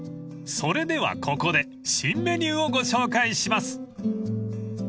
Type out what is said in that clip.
［それではここで新メニューをご紹介します］